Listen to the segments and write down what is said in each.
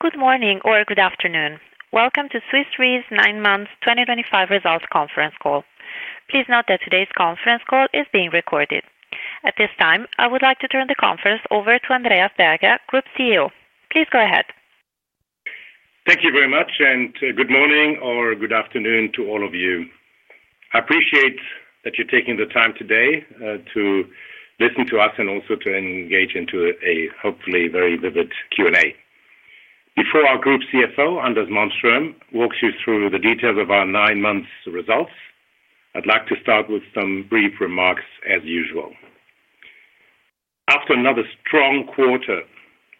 Good morning, or good afternoon. Welcome to Swiss Re's Nine Months 2025 Results Conference Call. Please note that today's conference call is being recorded. At this time, I would like to turn the conference over to Andreas Berger, Group CEO. Please go ahead. Thank you very much, and good morning, or good afternoon, to all of you. I appreciate that you're taking the time today to listen to us and also to engage into a, hopefully, very vivid Q&A. Before our Group CFO, Anders Malmström, walks you through the details of our Nine Months Results, I'd like to start with some brief remarks, as usual. After another strong quarter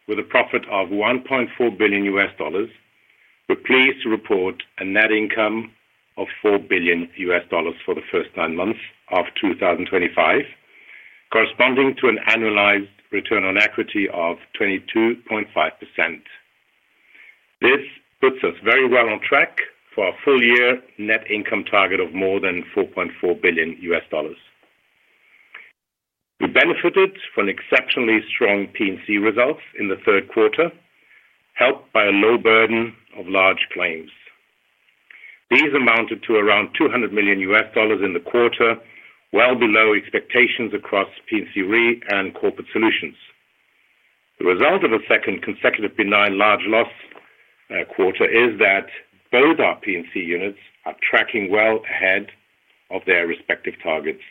with a profit of $1.4 billion, we're pleased to report a net income of $4 billion for the first nine Months of 2025, corresponding to an annualized return on equity of 22.5%. This puts us very well on track for our full-year net income target of more than $4.4 billion. We benefited from exceptionally strong P&C results in the third quarter, helped by a low burden of large claims. These amounted to around $200 million in the quarter, well below expectations across P&C Re and Corporate Solutions. The result of a second consecutive benign large loss quarter is that both our P&C units are tracking well ahead of their respective targets.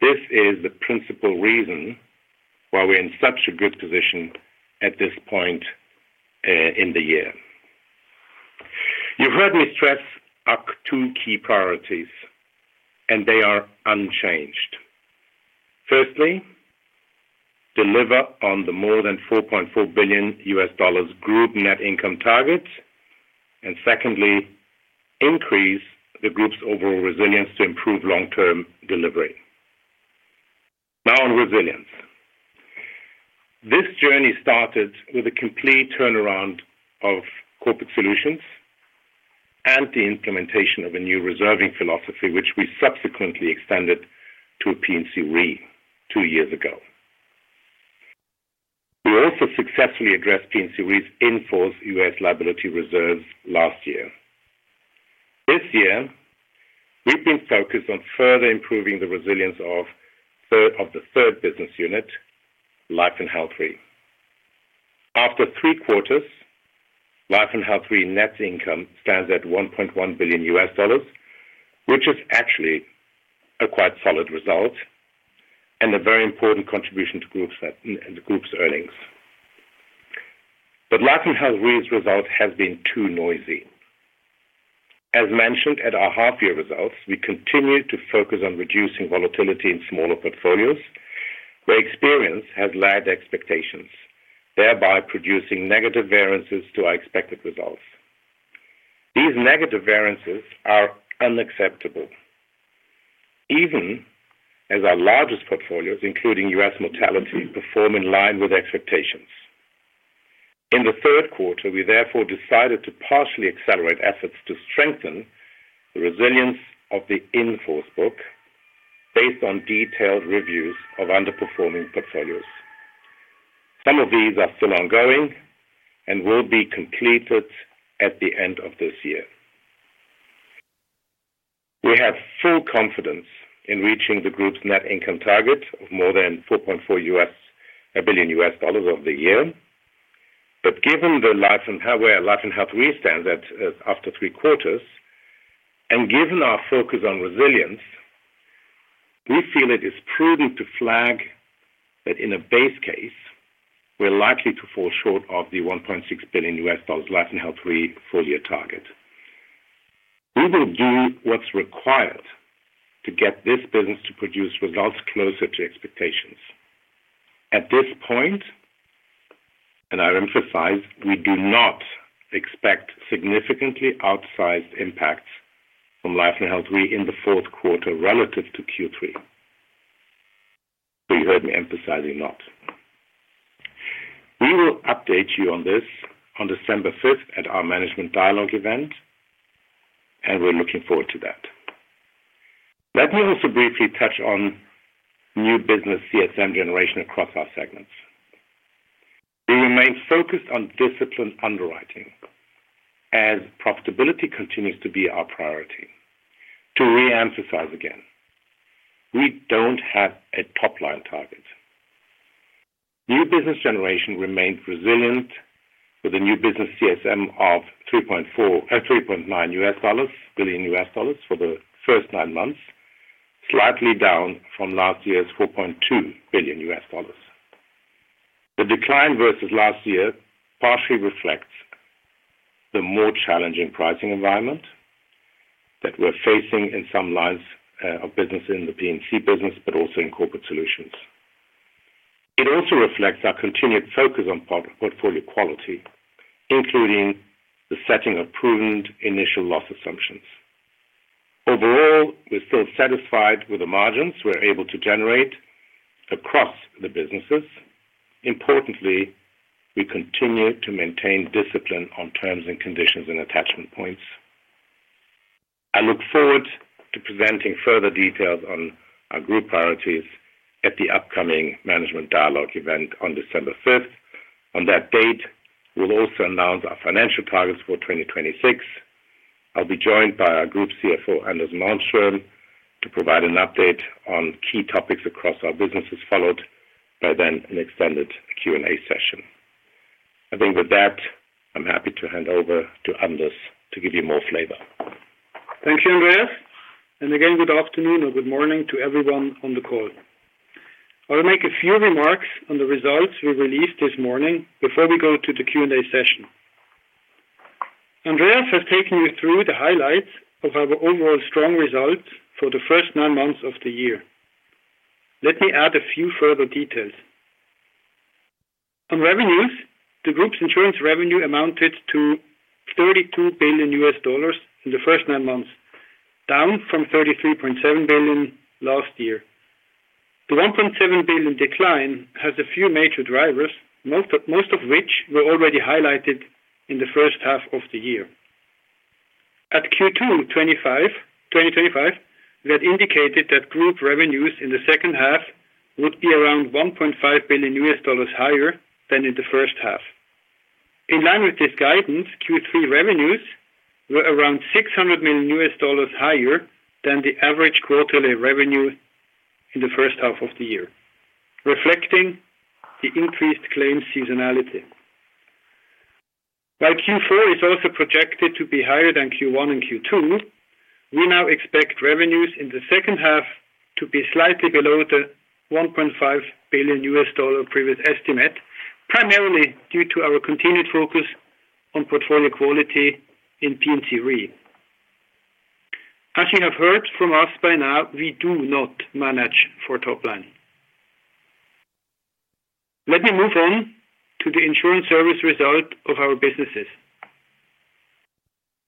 This is the principal reason why we're in such a good position at this point in the year. You've heard me stress our two key priorities, and they are unchanged. Firstly, deliver on the more than $4.4 billion group net income target, and secondly, increase the group's overall resilience to improve long-term delivery. Now, on resilience. This journey started with a complete turnaround of Corporate Solutions and the implementation of a new reserving philosophy, which we subsequently extended to P&C Re two years ago. We also successfully addressed P&C Re's in-force U.S. liability reserves last year. This year, we've been focused on further improving the resilience of the third business unit, Life & Health Re. After three quarters, Life & Health Re's net income stands at $1.1 billion, which is actually a quite solid result and a very important contribution to group's earnings. Life & Health Re's result has been too noisy. As mentioned at our half-year results, we continue to focus on reducing volatility in smaller portfolios, where experience has lagged expectations, thereby producing negative variances to our expected results. These negative variances are unacceptable, even as our largest portfolios, including U.S. mortality, perform in line with expectations. In the third quarter, we therefore decided to partially accelerate efforts to strengthen the resilience of the in-force book based on detailed reviews of underperforming portfolios. Some of these are still ongoing and will be completed at the end of this year. We have full confidence in reaching the group's net income target of more than $4.4 billion over the year. Given how where Life & Health Re stands after three quarters, and given our focus on resilience, we feel it is prudent to flag that in a base case, we're likely to fall short of the $1.6 billion Life & Health Re full-year target. We will do what's required to get this business to produce results closer to expectations. At this point, and I emphasize, we do not expect significantly outsized impacts from Life & Health Re in the fourth quarter relative to Q3. You heard me emphasizing not. We will update you on this on December 5th at our management dialogue event, and we're looking forward to that. Let me also briefly touch on new business CSM generation across our segments. We remain focused on disciplined underwriting as profitability continues to be our priority. To re-emphasize again, we do not have a top-line target. New business generation remains resilient with a new business CSM of $3.9 billion for the first nine months, slightly down from last year's $4.2 billion. The decline versus last year partially reflects the more challenging pricing environment that we are facing in some lines of business in the P&C business, but also in Corporate Solutions. It also reflects our continued focus on portfolio quality, including the setting of proven initial loss assumptions. Overall, we are still satisfied with the margins we are able to generate across the businesses. Importantly, we continue to maintain discipline on terms and conditions and attachment points. I look forward to presenting further details on our group priorities at the upcoming management dialogue event on December 5th. On that date, we'll also announce our financial targets for 2026. I'll be joined by our Group CFO, Anders Malmström, to provide an update on key topics across our businesses, followed by then an extended Q&A session. I think with that, I'm happy to hand over to Anders to give you more flavor. Thank you, Andreas. Again, good afternoon or good morning to everyone on the call. I'll make a few remarks on the results we released this morning before we go to the Q&A session. Andreas has taken you through the highlights of our overall strong results for the first nine months of the year. Let me add a few further details. On revenues, the group's insurance revenue amounted to $32 billion in the first nine months, down from $33.7 billion last year. The $1.7 billion decline has a few major drivers, most of which were already highlighted in the first half of the year. At Q2 2025, we had indicated that group revenues in the second half would be around $1.5 billion higher than in the first half. In line with this guidance, Q3 revenues were around $600 million higher than the average quarterly revenue in the first half of the year, reflecting the increased claim seasonality. While Q4 is also projected to be higher than Q1 and Q2, we now expect revenues in the second half to be slightly below the $1.5 billion previous estimate, primarily due to our continued focus on portfolio quality in P&C Re. As you have heard from us by now, we do not manage for top line. Let me move on to the insurance service result of our businesses.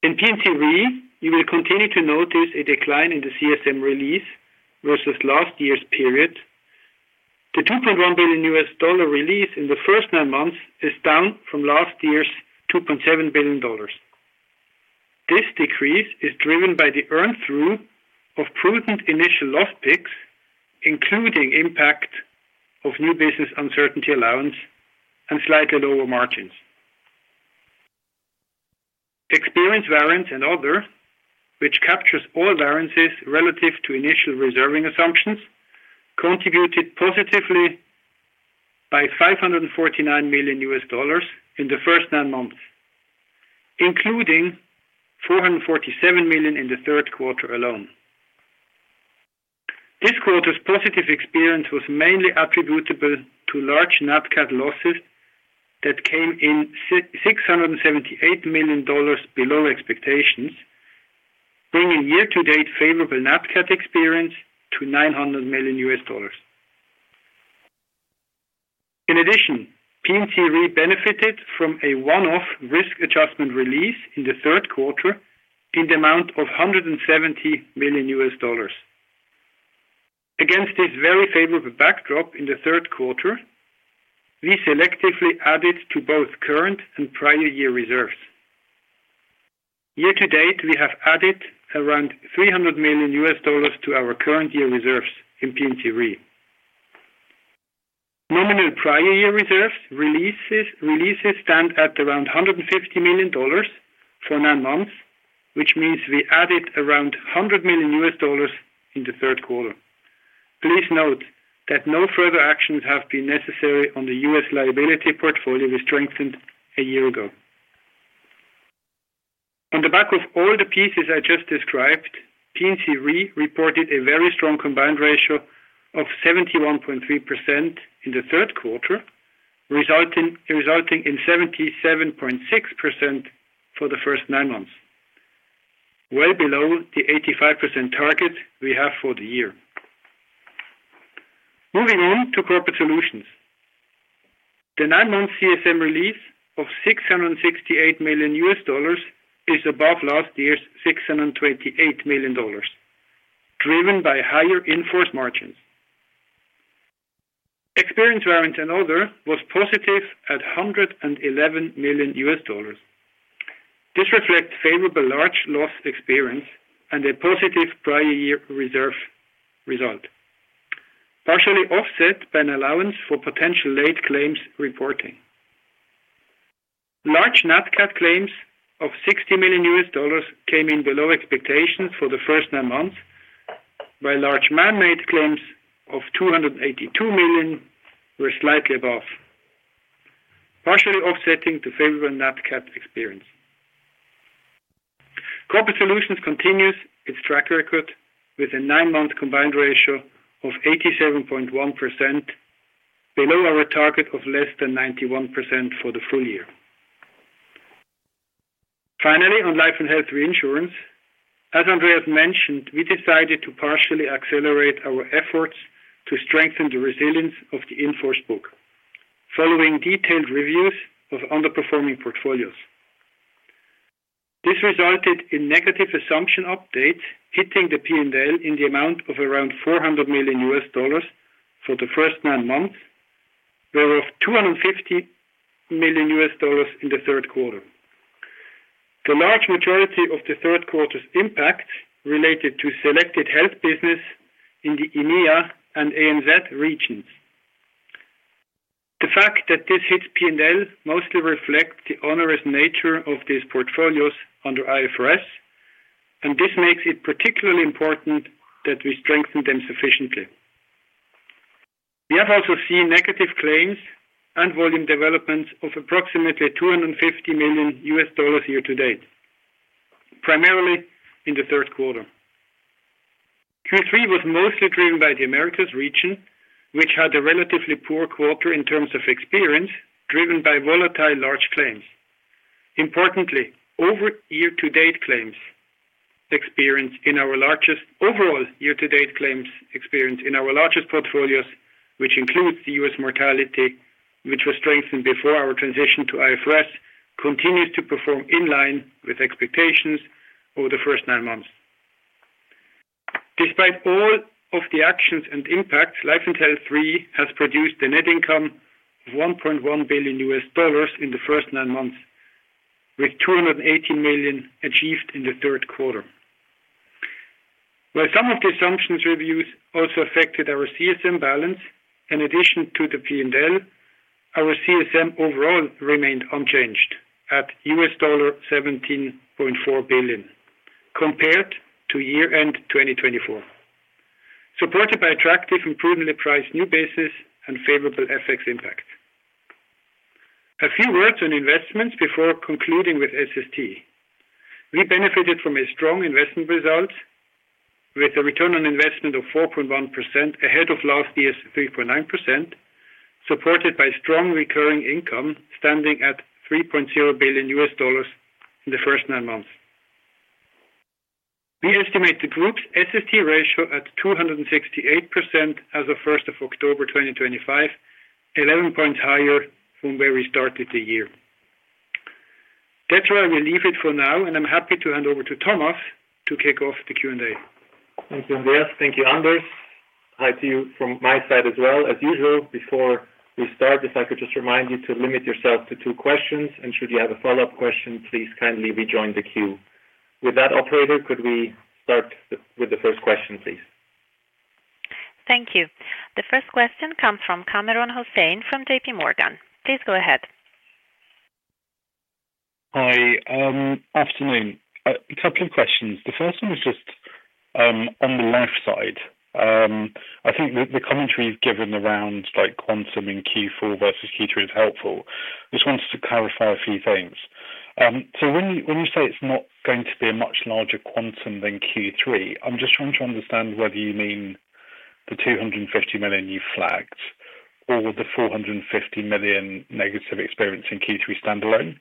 In P&C Re, you will continue to notice a decline in the CSM release versus last year's period. The $2.1 billion release in the first nine months is down from last year's $2.7 billion. This decrease is driven by the earn-through of prudent initial loss picks, including impact of new business uncertainty allowance and slightly lower margins. Experience variance and other, which captures all variances relative to initial reserving assumptions, contributed positively by $549 million in the first nine months, including $447 million in the third quarter alone. This quarter's positive experience was mainly attributable to large NATCAT losses that came in $678 million below expectations, bringing year-to-date favorable NATCAT experience to $900 million. In addition, P&C Re benefited from a one-off risk adjustment release in the third quarter in the amount of $170 million. Against this very favorable backdrop in the third quarter, we selectively added to both current and prior year reserves. Year-to-date, we have added around $300 million to our current year reserves in P&C Re. Nominal prior year reserves releases stand at around $150 million for nine months, which means we added around $100 million in the third quarter. Please note that no further actions have been necessary on the U.S. liability portfolio we strengthened a year ago. On the back of all the pieces I just described, P&C Re reported a very strong combined ratio of 71.3% in the third quarter, resulting in 77.6% for the first nine months, well below the 85% target we have for the year. Moving on to Corporate Solutions. The nine months CSM release of $668 million is above last year's $628 million, driven by higher in-force margins. Experience variance and other was positive at $111 million. This reflects favorable large loss experience and a positive prior year reserve result, partially offset by an allowance for potential late claims reporting. Large NATCAT claims of $60 million came in below expectations for the first nine months, while large manmade claims of $282 million were slightly above, partially offsetting the favorable NATCAT experience. Corporate Solutions continues its track record with a nine months combined ratio of 87.1%, below our target of less than 91% for the full year. Finally, on Life & Health Reinsurance, as Andreas mentioned, we decided to partially accelerate our efforts to strengthen the resilience of the in-force book, following detailed reviews of underperforming portfolios. This resulted in negative assumption updates hitting the P&L in the amount of around $400 million for the first nine months, whereof $250 million in the third quarter. The large majority of the third quarter's impact related to selected health business in the EMEA and ANZ regions. The fact that this hits P&L mostly reflects the onerous nature of these portfolios under IFRS, and this makes it particularly important that we strengthen them sufficiently. We have also seen negative claims and volume developments of approximately $250 million year-to-date, primarily in the third quarter. Q3 was mostly driven by the Americas region, which had a relatively poor quarter in terms of experience, driven by volatile large claims. Importantly, over year-to-date claims experience in our largest portfolios, which includes the U.S. mortality, which was strengthened before our transition to IFRS, continues to perform in line with expectations over the first nine months. Despite all of the actions and impacts, Life & Health Re has produced a net income of $1.1 billion in the first nine months, with $280 million achieved in the third quarter. While some of the assumptions reviews also affected our CSM balance, in addition to the P&L, our CSM overall remained unchanged at $17.4 billion compared to year-end 2024, supported by attractive and prudently priced new bases and favorable FX impacts. A few words on investments before concluding with SST. We benefited from a strong investment result with a return on investment of 4.1% ahead of last year's 3.9%, supported by strong recurring income standing at $3.0 billion in the firstnine months. We estimate the group's SST ratio at 268% as of 1st October 2025, 11 points higher from where we started the year. That is why I will leave it for now, and I am happy to hand over to Thomas to kick off the Q&A. Thank you, Andreas. Thank you, Anders. Hi to you from my side as well. As usual, before we start, if I could just remind you to limit yourself to two questions, and should you have a follow-up question, please kindly rejoin the queue. With that, Operator, could we start with the first question, please? Thank you. The first question comes from Kamran Hossain from JPMorgan. Please go ahead. Hi. Afternoon. A couple of questions. The first one is just on the life side. I think the commentary you've given around quantum in Q4 versus Q3 is helpful. Just wanted to clarify a few things. When you say it's not going to be a much larger quantum than Q3, I'm just trying to understand whether you mean the $250 million you flagged or the $450 million negative experience in Q3 standalone,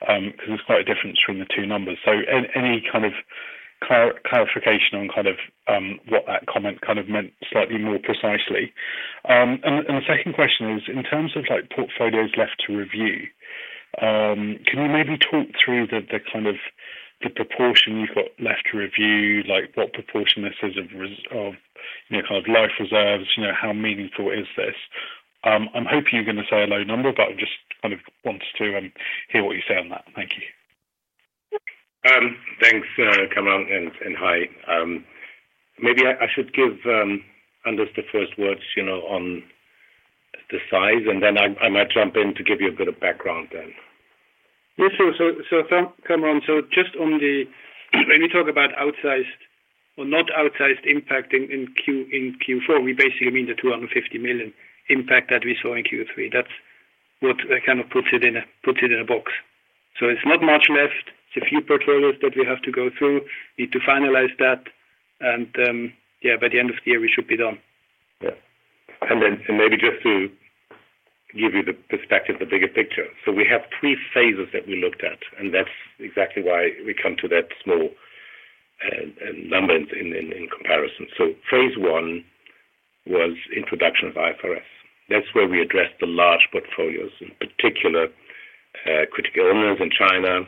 because there's quite a difference between the two numbers. Any kind of clarification on what that comment meant slightly more precisely. The second question is, in terms of portfolios left to review, can you maybe talk through the proportion you've got left to review, like what proportion this is of life reserves? How meaningful is this? I'm hoping you're going to say a low number, but I just kind of wanted to hear what you say on that. Thank you. Thanks, Kamran, and hi. Maybe I should give Anders the first words on the size, and then I might jump in to give you a bit of background then. Yes, sure. Kamran, just on the when we talk about outsized or not outsized impact in Q4, we basically mean the $250 million impact that we saw in Q3. That is what kind of puts it in a box. It is not much left. It is a few portfolios that we have to go through, need to finalize that, and yeah, by the end of the year, we should be done. Yeah. Maybe just to give you the perspective, the bigger picture. We have three phases that we looked at, and that's exactly why we come to that small number in comparison. Phase one was introduction of IFRS. That's where we addressed the large portfolios, in particular, critical illness in China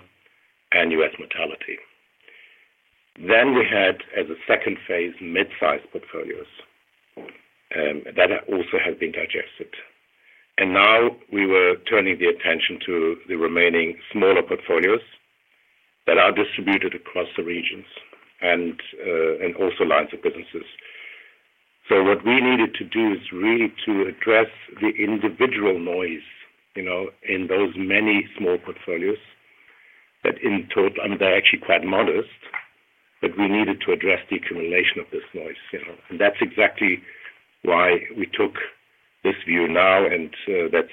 and U.S. mortality. Then we had, as a second phase, mid-sized portfolios that also have been digested. Now we were turning the attention to the remaining smaller portfolios that are distributed across the regions and also lines of businesses. What we needed to do is really to address the individual noise in those many small portfolios that, in total, are actually quite modest, but we needed to address the accumulation of this noise. That is exactly why we took this view now, and that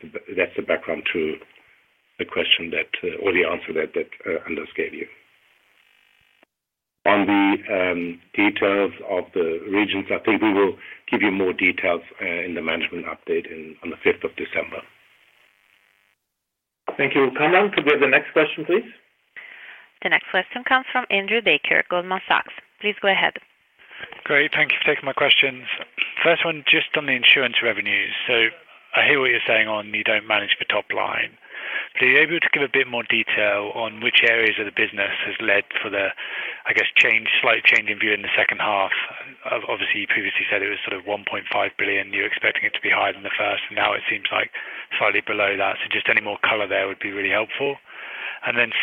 is the background to the question that or the answer that Anders gave you. On the details of the regions, I think we will give you more details in the management update on the 5th of December. Thank you. Kamran, could we have the next question, please? The next question comes from Andrew Baker, Goldman Sachs. Please go ahead. Great. Thank you for taking my questions. First one, just on the insurance revenues. I hear what you're saying on you don't manage for top line. Are you able to give a bit more detail on which areas of the business has led for the, I guess, slight change in view in the second half? Obviously, you previously said it was sort of $1.5 billion. You're expecting it to be higher than the first, and now it seems like slightly below that. Just any more color there would be really helpful.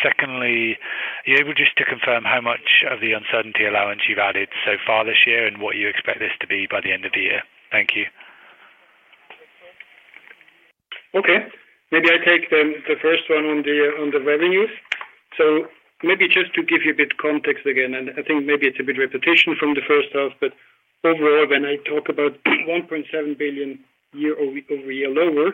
Secondly, are you able just to confirm how much of the uncertainty allowance you've added so far this year and what you expect this to be by the end of the year? Thank you. Okay. Maybe I take then the first one on the revenues. Maybe just to give you a bit of context again, and I think maybe it's a bit repetition from the first half, but overall, when I talk about $1.7 billion year-over-year lower,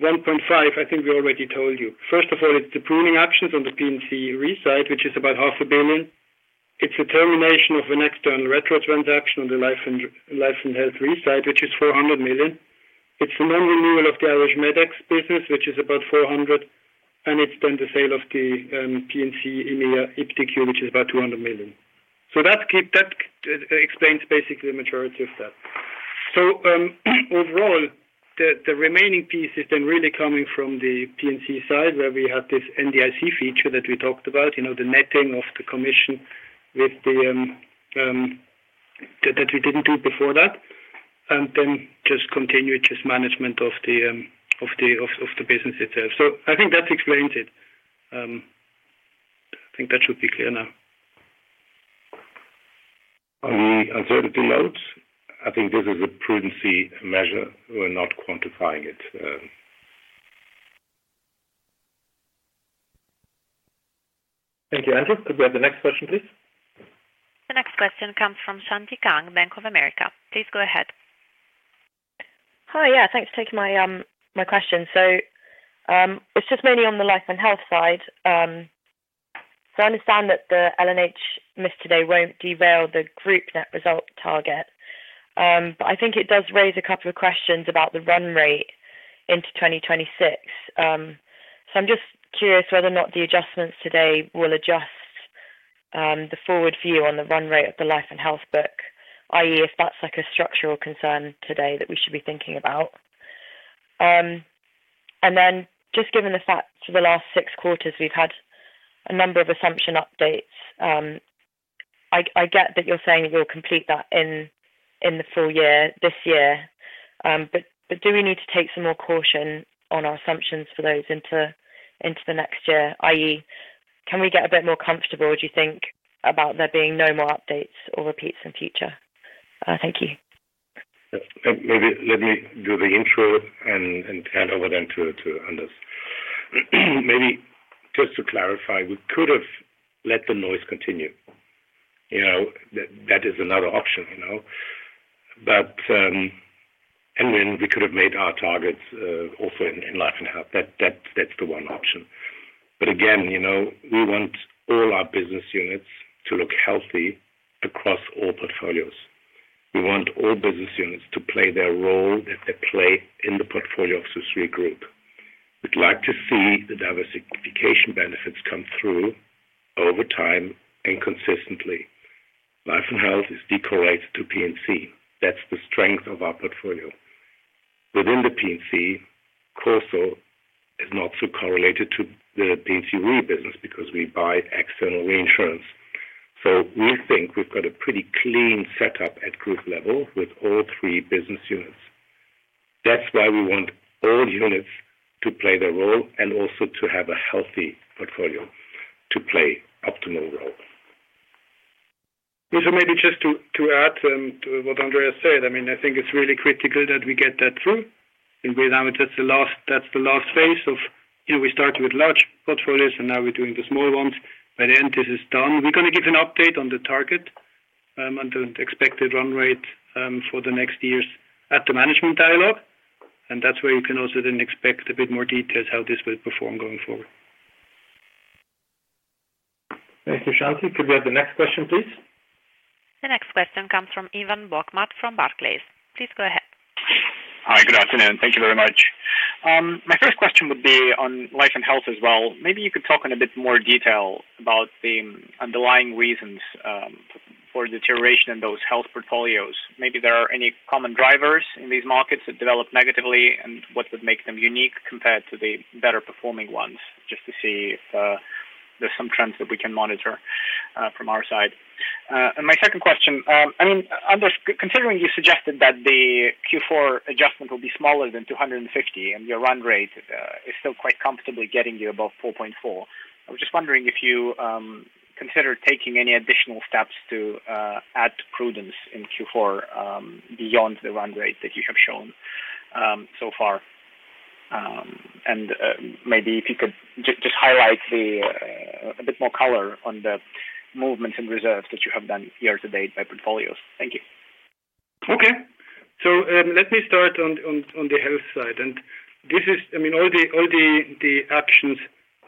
$1.5, I think we already told you. First of all, it's the pruning actions on the P&C Re side, which is about $500 million. It's the termination of an external retro transaction on the Life & Health Re side, which is $400 million. It's the non-renewal of the Irish Medex business, which is about $400 million, and it's the sale of the P&C, EMEA, iptiQ, which is about $200 million. That explains basically the majority of that. Overall, the remaining piece is then really coming from the P&C side where we had this NDIC feature that we talked about, the netting of the commission that we did not do before that, and then just continued just management of the business itself. I think that explains it. I think that should be clear now. On the uncertainty loads, I think this is a prudency measure. We're not quantifying it. Thank you, Andreas. Could we have the next question, please? The next question comes from Shanti Kang, Bank of America. Please go ahead. Hi. Yeah, thanks for taking my question. It is just mainly on the Life & Health side. I understand that the L&H miss today will not derail the group net result target, but I think it does raise a couple of questions about the run rate into 2026. I am just curious whether or not the adjustments today will adjust the forward view on the run rate of the Life & Health book, i.e., if that is a structural concern today that we should be thinking about. Just given the fact for the last six quarters, we have had a number of assumption updates. I get that you're saying that you'll complete that in the full year this year, but do we need to take some more caution on our assumptions for those into the next year, i.e., can we get a bit more comfortable, do you think, about there being no more updates or repeats in future? Thank you. Maybe let me do the intro and hand over then to Anders. Maybe just to clarify, we could have let the noise continue. That is another option. We could have made our targets also in Life & Health. That is the one option. Again, we want all our business units to look healthy across all portfolios. We want all business units to play their role that they play in the portfolio of Swiss Re group. We would like to see the diversification benefits come through over time and consistently. Life & Health is decorrelated to P&C. That is the strength of our portfolio. Within the P&C, CoSo is not so correlated to the P&C Re business because we buy external reinsurance. We think we have got a pretty clean setup at group level with all three business units. That's why we want all units to play their role and also to have a healthy portfolio to play optimal role. Maybe just to add to what Andreas said, I mean, I think it's really critical that we get that through. Now that's the last phase of we started with large portfolios, and now we're doing the small ones. By the end, this is done. We're going to give an update on the target and the expected run rate for the next years at the management dialogue. That's where you can also then expect a bit more details how this will perform going forward. Thank you, Shanti. Could we have the next question, please? The next question comes from Ivan Bokhmat from Barclays. Please go ahead. Hi. Good afternoon. Thank you very much. My first question would be on Life & Health as well. Maybe you could talk in a bit more detail about the underlying reasons for deterioration in those health portfolios. Maybe there are any common drivers in these markets that develop negatively and what would make them unique compared to the better performing ones, just to see if there's some trends that we can monitor from our side. I mean, my second question, Anders, considering you suggested that the Q4 adjustment will be smaller than $250 and your run rate is still quite comfortably getting you above $4.4, I was just wondering if you consider taking any additional steps to add prudence in Q4 beyond the run rate that you have shown so far. If you could just highlight a bit more color on the movements in reserves that you have done year-to-date by portfolios. Thank you. Okay. Let me start on the health side. This is, I mean, all the actions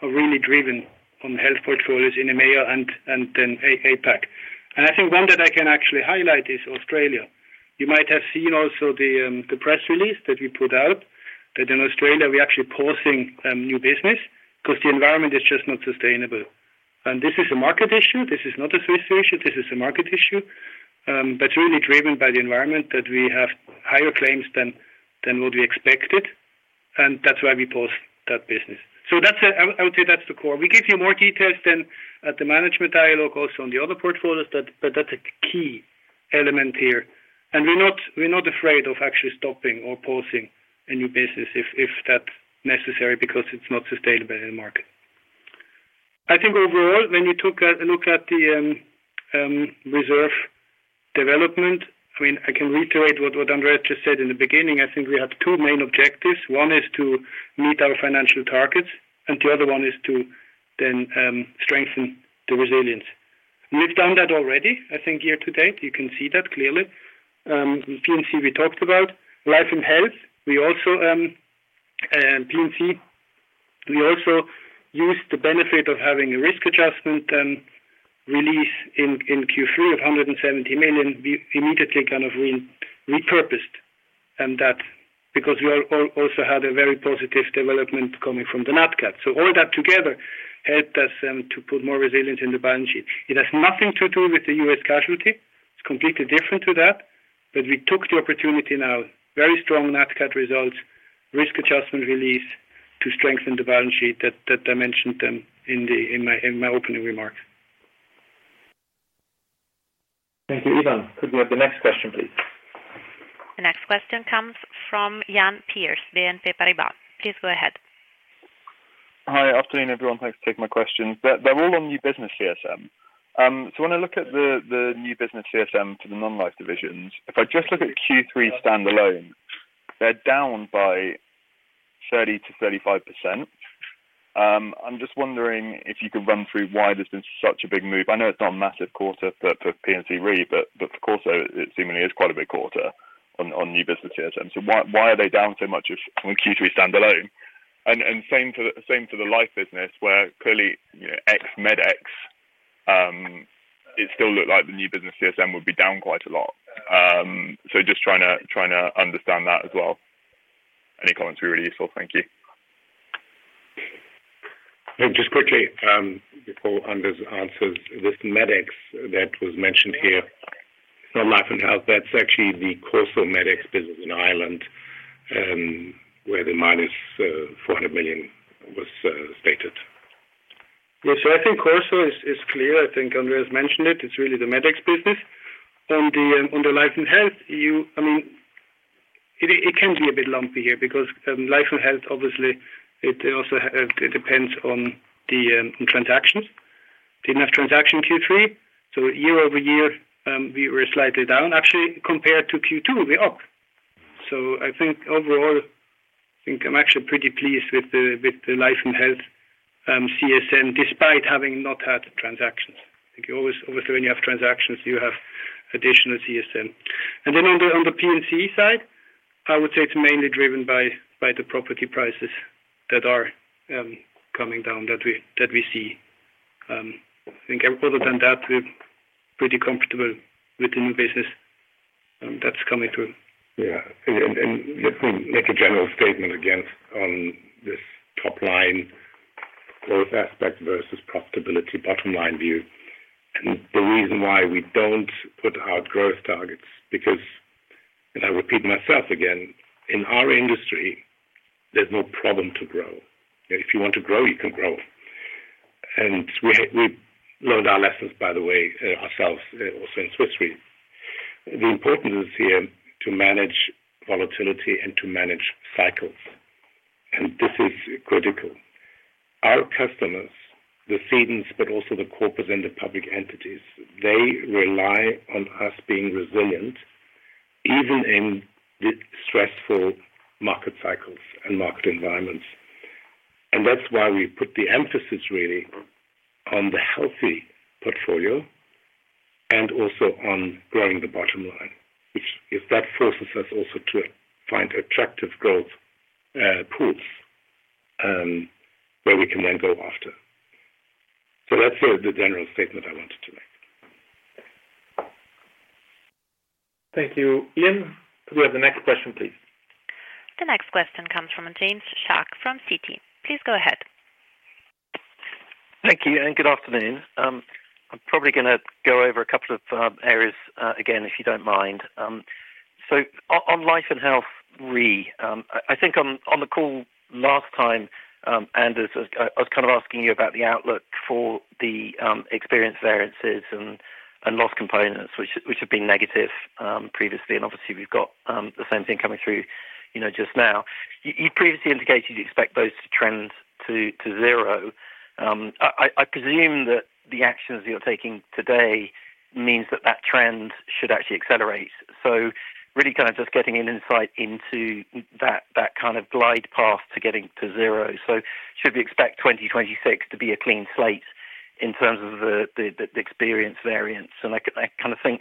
are really driven on health portfolios in EMEA and then APAC. I think one that I can actually highlight is Australia. You might have seen also the press release that we put out that in Australia, we are actually pausing new business because the environment is just not sustainable. This is a market issue. This is not a Swiss Re issue. This is a market issue, but really driven by the environment that we have higher claims than what we expected. That is why we paused that business. I would say that is the core. We give you more details then at the management dialogue also on the other portfolios, but that is a key element here. We're not afraid of actually stopping or pausing a new business if that's necessary because it's not sustainable in the market. I think overall, when you look at the reserve development, I mean, I can reiterate what Andreas just said in the beginning. I think we have two main objectives. One is to meet our financial targets, and the other one is to then strengthen the resilience. We've done that already, I think, year-to-date. You can see that clearly. P&C, we talked about. Life & Health, we also P&C, we also used the benefit of having a risk adjustment release in Q3 of $170 million. We immediately kind of repurposed that because we also had a very positive development coming from the NATCAT. All that together helped us to put more resilience in the balance sheet. It has nothing to do with the U.S. casualty. It's completely different to that, but we took the opportunity now. Very strong NATCAT results, risk adjustment release to strengthen the balance sheet that I mentioned in my opening remark. Thank you, Ivan. Could we have the next question, please? The next question comes from Iain Pearce, BNP Paribas. Please go ahead. Hi. Afternoon, everyone. Thanks for taking my question. They're all on new business CSM. When I look at the new business CSM for the non-life divisions, if I just look at Q3 standalone, they're down by 30%-35%. I'm just wondering if you could run through why there's been such a big move. I know it's not a massive quarter for P&C Re, but for CorSo, it seemingly is quite a big quarter on new business CSM. Why are they down so much on Q3 standalone? Same for the life business where clearly ex-Medex, it still looked like the new business CSM would be down quite a lot. Just trying to understand that as well. Any comments would be really useful. Thank you. Just quickly, before Anders answers, this Medex that was mentioned here, not Life & Health, that's actually the CorSo Medex business in Ireland where the minus $400 million was stated. Yes. I think CorSo is clear. I think Andreas mentioned it. It's really the Medex business. On the Life & Health, I mean, it can be a bit lumpy here because Life & Health, obviously, it also depends on the transactions. Didn't have transaction Q3. Year-over-year, we were slightly down, actually, compared to Q2. We're up. I think overall, I'm actually pretty pleased with the Life & Health CSM despite having not had transactions. I think obviously when you have transactions, you have additional CSM. On the P&C side, I would say it's mainly driven by the property prices that are coming down that we see. Other than that, we're pretty comfortable with the new business that's coming through. Yeah. Let me make a general statement again on this top line, growth aspect versus profitability, bottom line view. The reason why we do not put out growth targets is because, and I repeat myself again, in our industry, there is no problem to grow. If you want to grow, you can grow. We learned our lessons, by the way, ourselves also in Swiss Re. The importance is here to manage volatility and to manage cycles. This is critical. Our customers, the cedents, but also the corporates and the public entities, they rely on us being resilient even in the stressful market cycles and market environments. That is why we put the emphasis really on the healthy portfolio and also on growing the bottom line, which is that forces us also to find attractive growth pools where we can then go after. That's the general statement I wanted to make. Thank you, Iain. Could we have the next question, please? The next question comes from James Shuck from Citi. Please go ahead. Thank you. And good afternoon. I'm probably going to go over a couple of areas again, if you don't mind. On Life & Health Re, I think on the call last time, Anders, I was kind of asking you about the outlook for the experience variances and loss components, which have been negative previously. Obviously, we've got the same thing coming through just now. You previously indicated you'd expect those to trend to zero. I presume that the actions you're taking today means that that trend should actually accelerate. Really kind of just getting an insight into that kind of glide path to getting to zero. Should we expect 2026 to be a clean slate in terms of the experience variance? I kind of think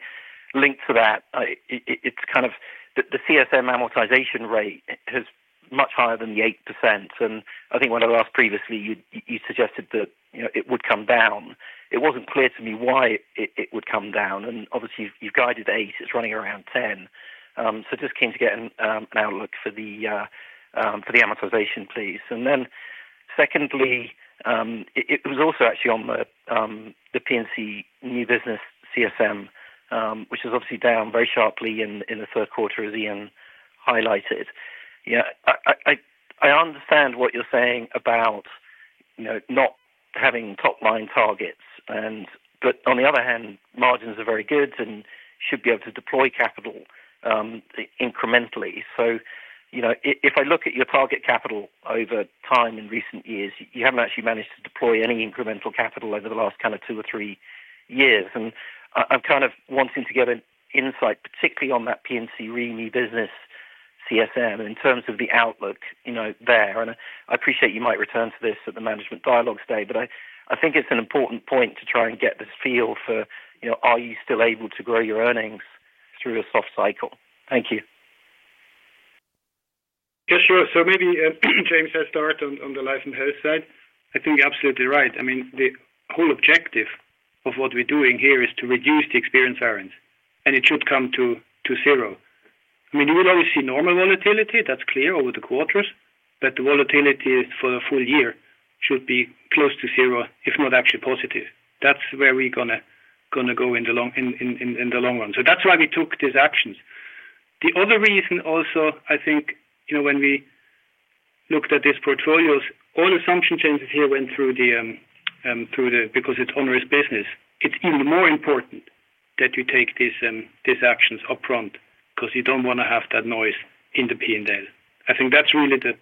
linked to that, it's kind of the CSM amortization rate is much higher than the 8%. I think when I last previously, you suggested that it would come down. It was not clear to me why it would come down. Obviously, you have guided eight. It is running around 10. I am just keen to get an outlook for the amortization, please. Secondly, it was also actually on the P&C new business CSM, which is obviously down very sharply in the third quarter, as Ian highlighted. Yeah. I understand what you are saying about not having top-line targets, but on the other hand, margins are very good and should be able to deploy capital incrementally. If I look at your target capital over time in recent years, you have not actually managed to deploy any incremental capital over the last two or three years. I'm kind of wanting to get an insight, particularly on that P&C Re new business CSM in terms of the outlook there. I appreciate you might return to this at the management dialogue today, but I think it's an important point to try and get this feel for are you still able to grow your earnings through a soft cycle? Thank you. Yeah, sure. Maybe James has started on the Life & Health side. I think you're absolutely right. I mean, the whole objective of what we're doing here is to reduce the experience variance, and it should come to zero. I mean, you will always see normal volatility. That's clear over the quarters, but the volatility for the full year should be close to zero, if not actually positive. That's where we're going to go in the long run. That's why we took these actions. The other reason also, I think when we looked at these portfolios, all assumption changes here went through because it's onerous business. It's even more important that you take these actions upfront because you don't want to have that noise in the P&L. I think that's really the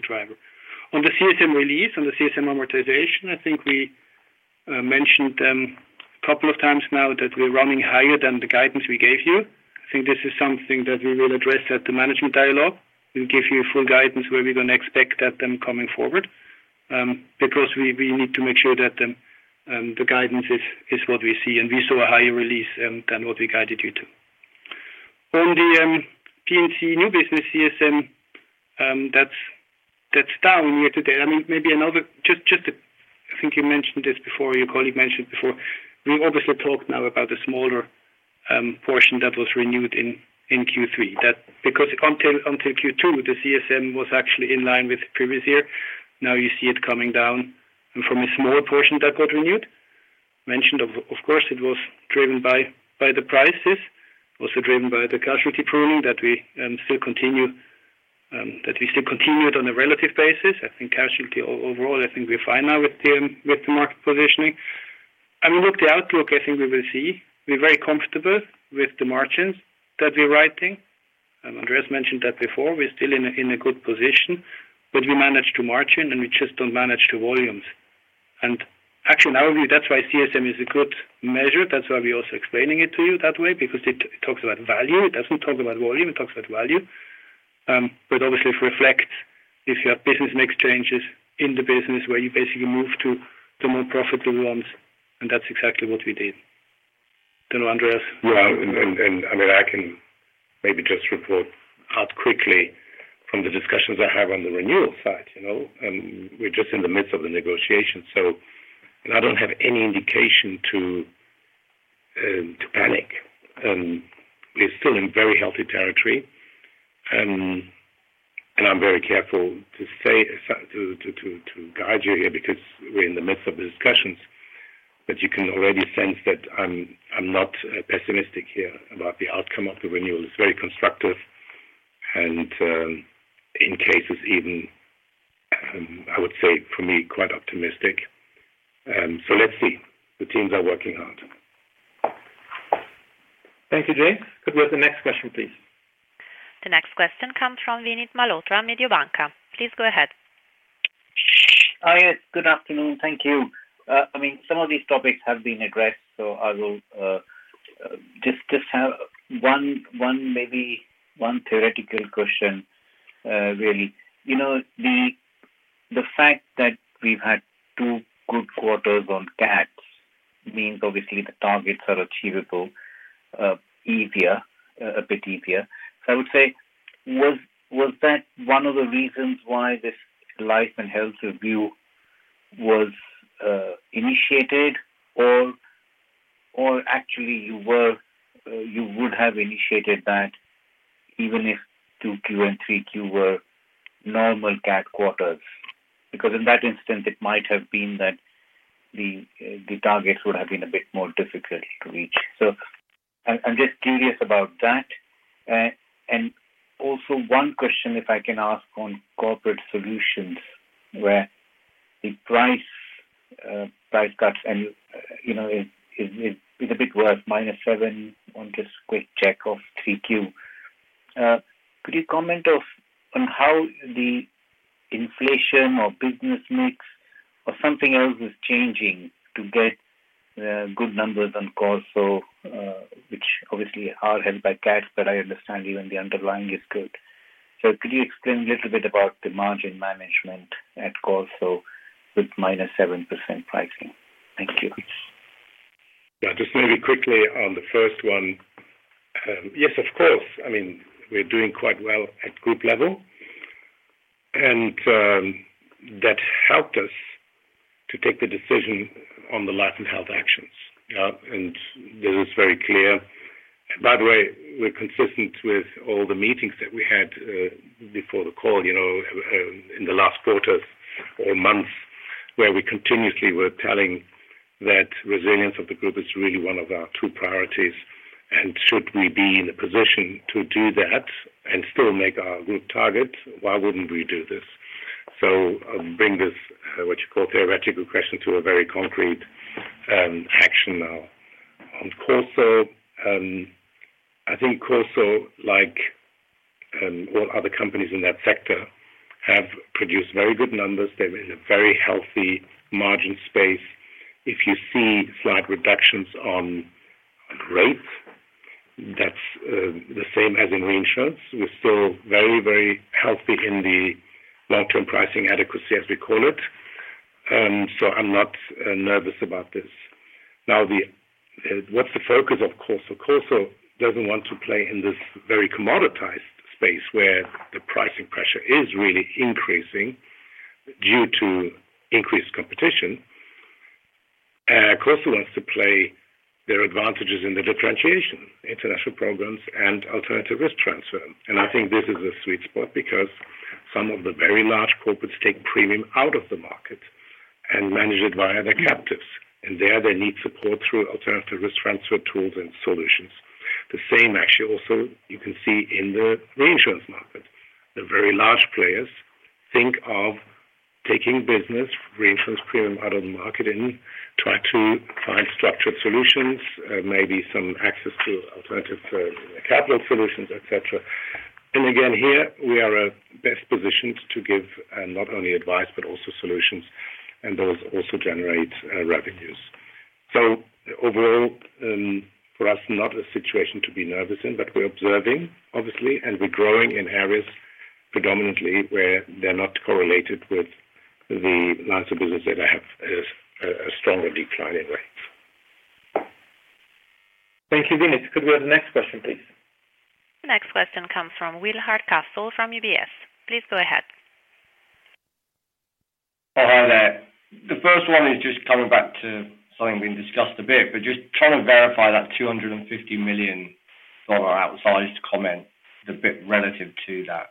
driver. On the CSM release, on the CSM amortization, I think we mentioned them a couple of times now that we're running higher than the guidance we gave you. I think this is something that we will address at the management dialogue. We'll give you full guidance where we're going to expect that coming forward because we need to make sure that the guidance is what we see. We saw a higher release than what we guided you to. On the P&C new business CSM, that's down year-to-date. I mean, maybe another just I think you mentioned this before. Your colleague mentioned it before. We obviously talked now about a smaller portion that was renewed in Q3. Because until Q2, the CSM was actually in line with previous year. Now you see it coming down from a small portion that got renewed. Mentioned, of course, it was driven by the prices. It was driven by the casualty pruning that we still continue on a relative basis. I think casualty overall, I think we're fine now with the market positioning. I mean, look, the outlook, I think we will see. We're very comfortable with the margins that we're writing. Andreas mentioned that before. We're still in a good position, but we manage to margin, and we just don't manage the volumes. Actually, in our view, that's why CSM is a good measure. That's why we're also explaining it to you that way because it talks about value. It doesn't talk about volume. It talks about value. Obviously, it reflects if you have business mix changes in the business where you basically move to the more profitable ones. That's exactly what we did. I don't know, Andreas. Yeah. I mean, I can maybe just report out quickly from the discussions I have on the renewal side. We're just in the midst of the negotiation. I do not have any indication to panic. We're still in very healthy territory. I am very careful to guide you here because we're in the midst of the discussions, but you can already sense that I am not pessimistic here about the outcome of the renewal. It is very constructive and in cases even, I would say, for me, quite optimistic. Let's see. The teams are working hard. Thank you, James. Could we have the next question, please? The next question comes from Vinit Malhotra, Mediobanca. Please go ahead. Hi. Good afternoon. Thank you. I mean, some of these topics have been addressed, so I will just have maybe one theoretical question, really. The fact that we've had two good quarters on CATs means obviously the targets are achievable easier, a bit easier. I would say, was that one of the reasons why this Life & Health review was initiated, or actually, you would have initiated that even if Q2 and Q3 were normal CAT quarters? Because in that instance, it might have been that the targets would have been a bit more difficult to reach. I'm just curious about that. Also, one question, if I can ask on Corporate Solutions where the price cuts is a bit worse, -7 on just quick check of 3Q. Could you comment on how the inflation or business mix or something else is changing to get good numbers on CorSo, which obviously are held by CATs, but I understand even the underlying is good? Could you explain a little bit about the margin management at CorSo with -7% pricing? Thank you. Yeah. Just maybe quickly on the first one. Yes, of course. I mean, we're doing quite well at group level. That helped us to take the decision on the Life & Health actions. This is very clear. By the way, we're consistent with all the meetings that we had before the call in the last quarters or months where we continuously were telling that resilience of the group is really one of our two priorities. Should we be in a position to do that and still make our group target, why wouldn't we do this? I'll bring this, what you call, theoretical question to a very concrete action now. On CorSo, I think CorSo, like all other companies in that sector, have produced very good numbers. They're in a very healthy margin space. If you see slight reductions on rates, that's the same as in reinsurance. We're still very, very healthy in the long-term pricing adequacy, as we call it. I'm not nervous about this. Now, what's the focus of CorSo? CorSo doesn't want to play in this very commoditized space where the pricing pressure is really increasing due to increased competition. CorSo wants to play their advantages in the differentiation, international programs, and alternative risk transfer. I think this is a sweet spot because some of the very large corporates take premium out of the market and manage it via their captives. There, they need support through alternative risk transfer tools and solutions. The same, actually, also you can see in the reinsurance market. The very large players think of taking business, reinsurance premium out of the market and try to find structured solutions, maybe some access to alternative capital solutions, etc. Here, we are best positioned to give not only advice, but also solutions, and those also generate revenues. Overall, for us, not a situation to be nervous in, but we're observing, obviously, and we're growing in areas predominantly where they're not correlated with the lines of business that have a stronger decline in rates. Thank you, Vinit. Could we have the next question, please? The next question comes from Will Hardcastle from UBS. Please go ahead. Oh, hi there. The first one is just coming back to something we've discussed a bit, but just trying to verify that $250 million outsized comment is a bit relative to that.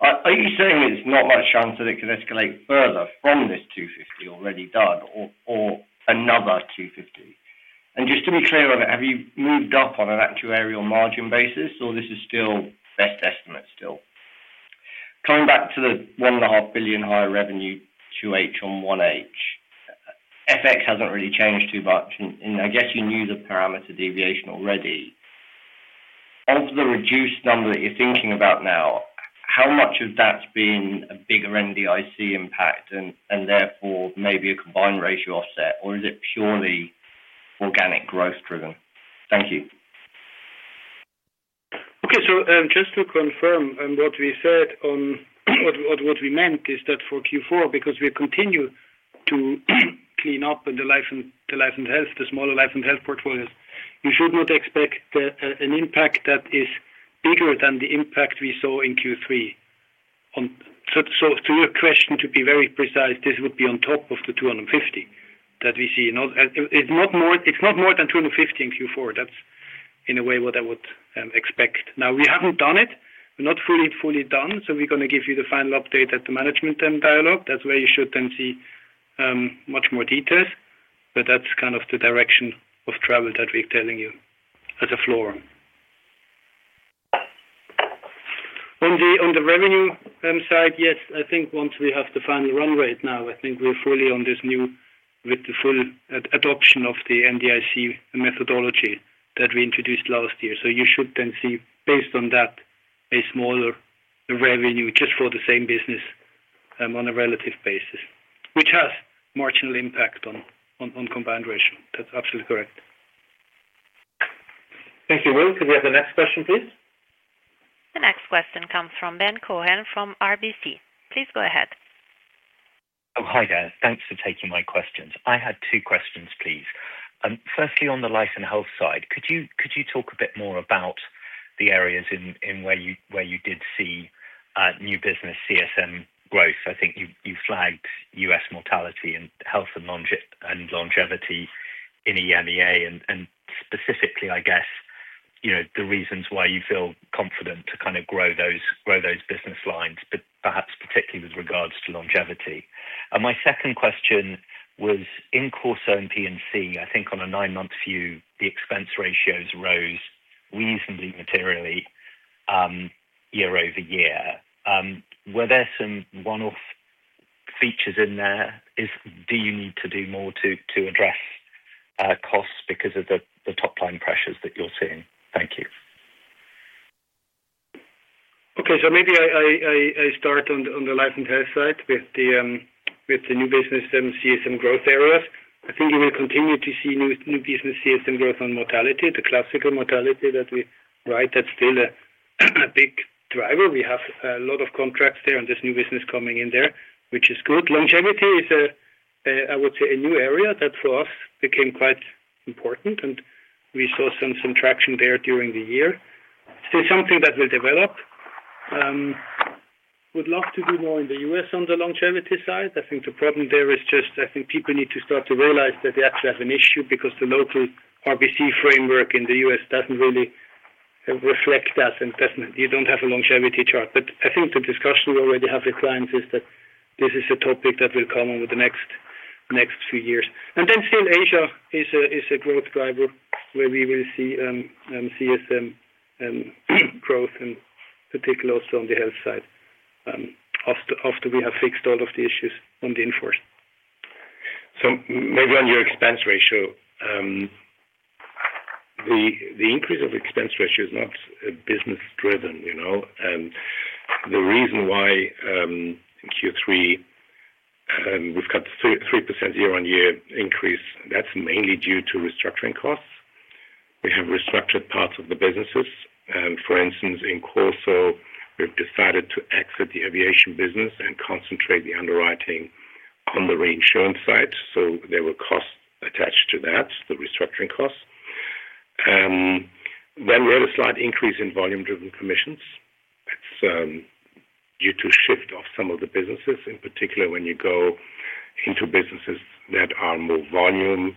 Are you saying it's not much chance that it can escalate further from this $250 million already done or another $250 million? And just to be clear on it, have you moved up on an actuarial margin basis, or this is still best estimate still? Coming back to the $1.5 billion higher revenue to H on 1H, FX hasn't really changed too much. I guess you knew the parameter deviation already. Of the reduced number that you're thinking about now, how much of that's been a bigger NDIC impact and therefore maybe a combined ratio offset, or is it purely organic growth driven? Thank you. Okay. Just to confirm what we said on what we meant is that for Q4, because we continue to clean up in the Life & Health, the smaller Life & Health portfolios, you should not expect an impact that is bigger than the impact we saw in Q3. To your question, to be very precise, this would be on top of the $250 that we see. It is not more than $250 in Q4. That is, in a way, what I would expect. Now, we have not done it. We are not fully done. We are going to give you the final update at the management dialogue. That is where you should then see much more details. That is kind of the direction of travel that we are telling you as a floor. On the revenue side, yes, I think once we have the final run rate now, I think we're fully on this new with the full adoption of the NDIC methodology that we introduced last year. So you should then see, based on that, a smaller revenue just for the same business on a relative basis, which has marginal impact on combined ratio. That's absolutely correct. Thank you, Will. Could we have the next question, please? The next question comes from Ben Cohen from RBC. Please go ahead. Hi, there. Thanks for taking my questions. I had two questions, please. Firstly, on the Life & Health side, could you talk a bit more about the areas in where you did see new business CSM growth? I think you flagged U.S. mortality and health and longevity in EMEA and specifically, I guess, the reasons why you feel confident to kind of grow those business lines, but perhaps particularly with regards to longevity. My second question was, in CorSo and P&C, I think on a nine-month view, the expense ratios rose reasonably materially year over year. Were there some one-off features in there? Do you need to do more to address costs because of the top-line pressures that you're seeing? Thank you. Okay. Maybe I start on the Life & Health side with the new business CSM growth areas. I think you will continue to see new business CSM growth on mortality, the classical mortality that we write. That is still a big driver. We have a lot of contracts there and this new business coming in there, which is good. Longevity is, I would say, a new area that for us became quite important, and we saw some traction there during the year. It is something that will develop. Would love to do more in the U.S. on the longevity side. I think the problem there is just I think people need to start to realize that they actually have an issue because the local RBC framework in the U.S. does not really reflect that, and you do not have a longevity chart. I think the discussion we already have with clients is that this is a topic that will come over the next few years. Asia is a growth driver where we will see CSM growth, in particular, also on the health side after we have fixed all of the issues on the inforce. Maybe on your expense ratio, the increase of expense ratio is not business-driven. The reason why in Q3 we've got 3% year-on-year increase, that's mainly due to restructuring costs. We have restructured parts of the businesses. For instance, in CorSo, we've decided to exit the aviation business and concentrate the underwriting on the reinsurance side. There were costs attached to that, the restructuring costs. We had a slight increase in volume-driven commissions. It's due to shift of some of the businesses, in particular, when you go into businesses that are more volume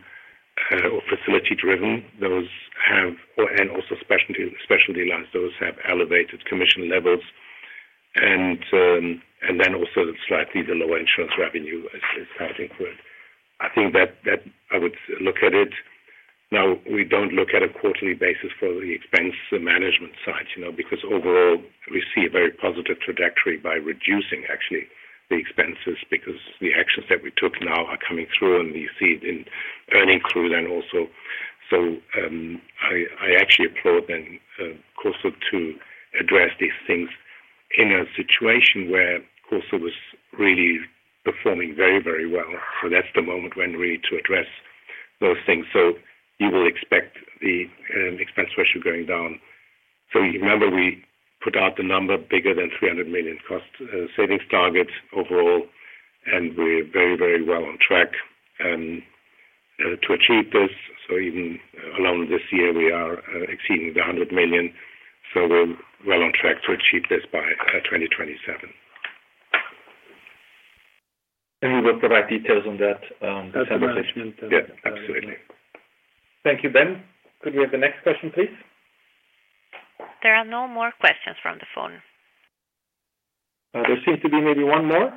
or facility-driven, and also specialty lines, those have elevated commission levels. Also, slightly the lower insurance revenue is starting to grow. I think that I would look at it. Now, we do not look at a quarterly basis for the expense management side because overall, we see a very positive trajectory by reducing, actually, the expenses because the actions that we took now are coming through, and we see it in earnings through then also. I actually applaud then CorSo to address these things in a situation where CorSo was really performing very, very well. That is the moment when really to address those things. You will expect the expense ratio going down. Remember, we put out the number bigger than $300 million cost savings targets overall, and we are very, very well on track to achieve this. Even alone this year, we are exceeding the $100 million. We are well on track to achieve this by 2027. You will provide details on that separately? Absolutely. Thank you, Ben. Could we have the next question, please? There are no more questions from the phone. There seems to be maybe one more.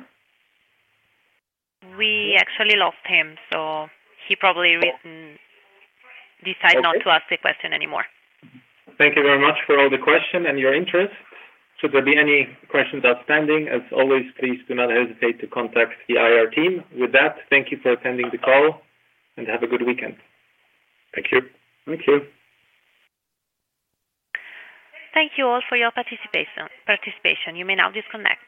We actually lost him, so he probably decided not to ask the question anymore. Thank you very much for all the questions and your interest. Should there be any questions outstanding, as always, please do not hesitate to contact the IR team. With that, thank you for attending the call and have a good weekend. Thank you. Thank you. Thank you all for your participation. You may now disconnect.